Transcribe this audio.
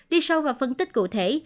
đi sâu vào phân tích cụ thể